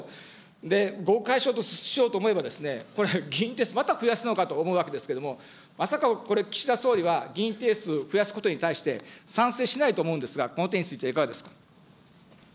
で、合区解消しようと思えば、議員定数増やすのかと思うんですけれども、まさかこれ、岸田総理は議員定数増やすことに対して、賛成しないと思うんですが、この点についてはいかがですか。